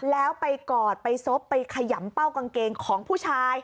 แล้วไปกอดไปซบไปขยำเป้ากางเกงของผู้ชาย